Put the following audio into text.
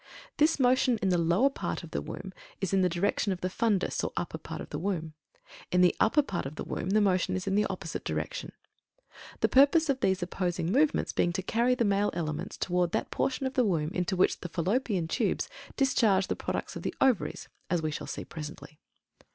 This motion, in the lower part of the womb, is in the direction of the fundus or upper part of the womb; in the upper part of the womb, the motion is in the opposite direction; the purpose of these opposing movements being to carry the male elements toward that portion of the womb into which the Fallopian Tubes discharge the products of the Ovaries, as we shall see presently.